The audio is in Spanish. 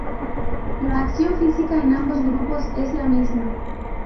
La acción física en ambos grupos es la misma.